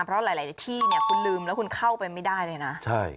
เพราะหลายที่เนี่ยคุณลืมแล้วคุณเข้าไปไม่ได้เลยนะ